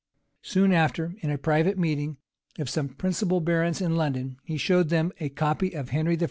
Soon after, in a private meeting of some principal barons at London, he showed them a copy of Henry I.